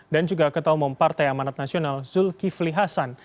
dan juga ketua umum partai amanat nasional zulkifli hasan